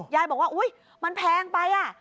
ยายบอกว่าอุ๊ยมันแพงไป